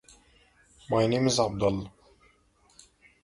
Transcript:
Safdar Jang was an able administrator.